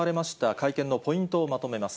会見のポイントをまとめます。